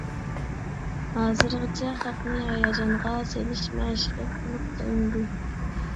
ھازىرغىچە خەقنى ھاياجانغا سېلىش مەشىقى قىلىپ تويمىدى.